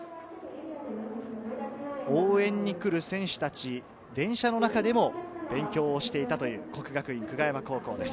応援にくる選手達、電車の中でも勉強をしていたという國學院久我山高校です。